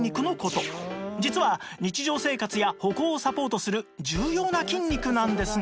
実は日常生活や歩行をサポートする重要な筋肉なんですが